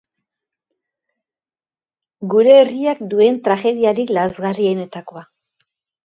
Gure herriak duen tragediarik lazgarrienetakoa.